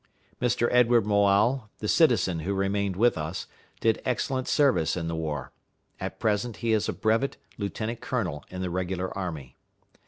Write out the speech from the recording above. Mr. Edward Moale, the citizen who remained with us, did excellent service in the war. At present he is a brevet lieutenant colonel in the regular army.